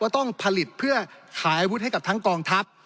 ต้องผลิตเพื่อขายอาวุธให้กับทั้งกองทัพ